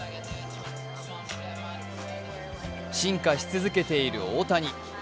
進化し続けている大谷。